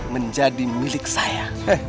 menjadi milik saya